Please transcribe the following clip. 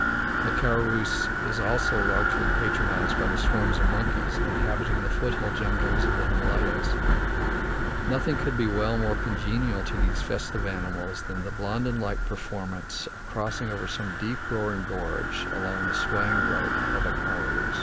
The karorus is also largely patronized by the swarms of monkeys inhabitating the foot hill jungles of the Himalayas; nothing could well be more congenial to these festive animals than the Blondin like performance of crossing over some deep, roaring gorge along the swaying rope of a karorus.